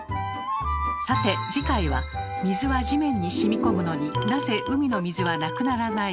さて次回は「水は地面にしみこむのになぜ海の水はなくならない？」